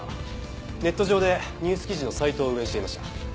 ネット上でニュース記事のサイトを運営していました。